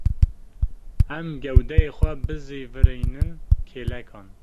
Em gewdeyê xwe bizîvirînin kêlekan.